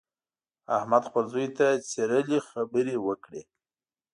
احمد خپل زوی ته څیرلې خبرې وکړې.